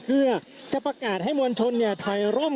คุณภูริพัฒน์บุญนิน